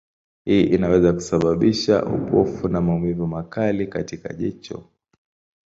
Hii inaweza kusababisha upofu na maumivu makali katika jicho.